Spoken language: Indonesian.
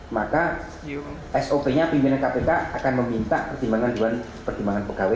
maka sop nya pimpinan kpk akan meminta pertimbangan dewan pertimbangan pegawai